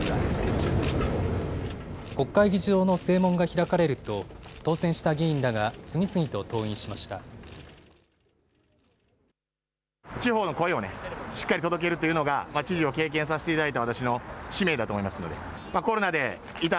国会議事堂の正門が開かれると、当選した議員らが次々と登院しました。